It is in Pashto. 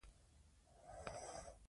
واوره په ځمکه پرته ده.